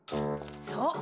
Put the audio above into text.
そう。